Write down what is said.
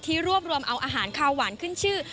รวบรวมเอาอาหารคาวหวานขึ้นชื่อ